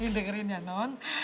gini dengerin ya non